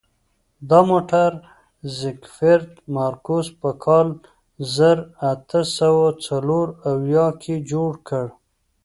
دا موټر زیکفرد مارکوس په کال زر اته سوه څلور اویا کې جوړ کړ.